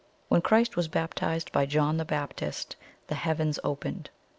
"2. When Christ was baptized by John the Baptist, 'THE HEAVENS OPENED.'